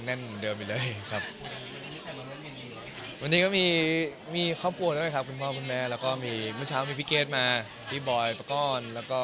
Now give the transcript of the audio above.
แล้วก็ดูว่าจะมีบริหารเหมือนเดิมหรือไม่แบบการคิดสถาอาศิลปะรอดดูก่อนหนึ่ง